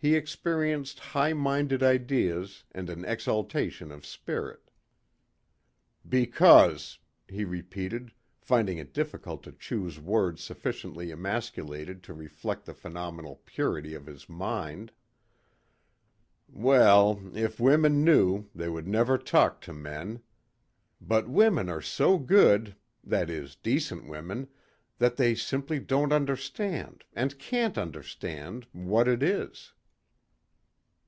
He experienced high minded ideas and an exaltation of spirit. "Because," he repeated, finding it difficult to choose words sufficiently emasculated to reflect the phenomenal purity of his mind, "well, if women knew, they would never talk to men. But women are so good, that is, decent women, that they simply don't understand and can't understand ... what it is."